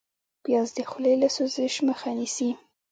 پیاز د خولې له سوزش مخه نیسي